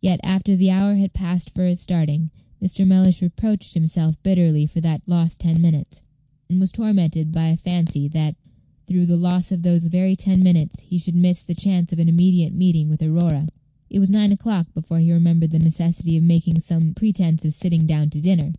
Yet, after the hour had passed for its starting, Mr. Mellish reproached himself bitterly for that lost ten minutes, and was tormented by a fancy that, through the loss of those very ten minutes, he should miss the chance of an immediate meeting with Aurora. It was nine o'clock before he remembered the necessity of making some pretence of sitting down to dinner.